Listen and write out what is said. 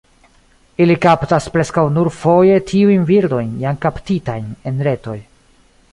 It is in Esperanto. Ili kaptas preskaŭ nur foje tiujn birdojn jam kaptitajn en retoj.